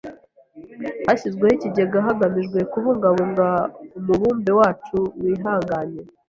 Hashyizweho ikigega hagamijwe kubungabunga umubumbe wacu wihanganye.